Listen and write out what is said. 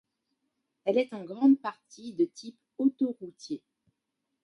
Elle est en grande partie de type autoroutier.